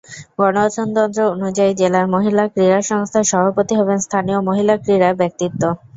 গঠনতন্ত্র অনুযায়ী জেলার মহিলা ক্রীড়া সংস্থার সভাপতি হবেন স্থানীয় মহিলা ক্রীড়া ব্যক্তিত্ব।